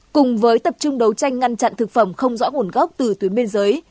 cùng với tập trung đấu tranh ngăn chặn thực phẩm không rõ nguồn gốc từ tuyến biên giới